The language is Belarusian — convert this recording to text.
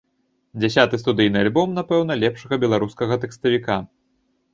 Дзясяты студыйны альбом, напэўна, лепшага беларускага тэкставіка.